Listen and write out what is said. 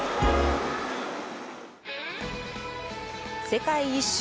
世界一周